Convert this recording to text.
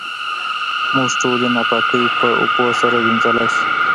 موږ ټولې ناپاکۍ په اوبو سره وېنځلی شو.